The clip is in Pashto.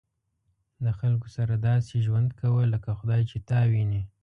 د خلکو سره داسې ژوند کوه لکه خدای چې تا ویني.